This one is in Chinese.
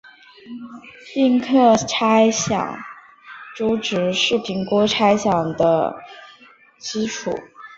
应课差饷租值是评估差饷的基础。